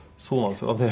そうなんですよ。